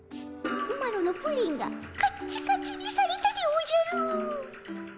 マロのプリンがカッチカチにされたでおじゃる。